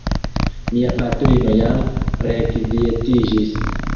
Mia patrino jam rekvietiĝis.